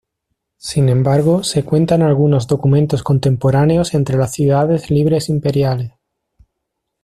Sin embargo, se cuenta en algunos documentos contemporáneos entre las Ciudades Libres Imperiales.